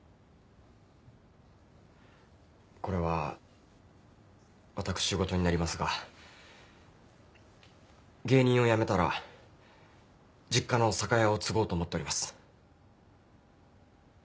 これは私事になりますが芸人をやめたら実家の酒屋を継ごうと思っております。